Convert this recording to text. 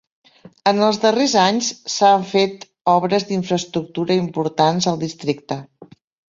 En els darrers anys s'han fet obres d'infraestructura importants al districte.